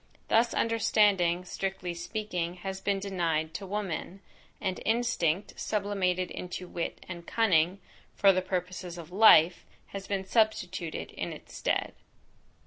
Thus understanding, strictly speaking, has been denied to woman; and instinct, sublimated into wit and cunning, for the purposes of life, has been substituted in its stead.